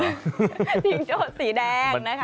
จิงโจสีแดงนะคะ